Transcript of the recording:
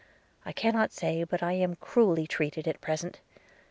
I cannot but say that I am cruelly treated at present.